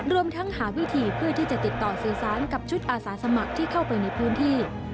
รวมทั้งหาวิธีเพื่อที่จะติดต่อสื่อสารกับชุดอาสาสมัครที่เข้าไปในพื้นที่